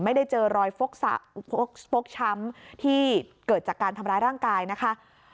ไม่ได้เจอรอยฟกช้ำที่เกิดจากการทำร้ายร่างกายนะคะ